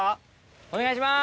お願いします。